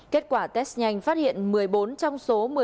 kết quả test nhanh phát hiện một mươi bốn trong số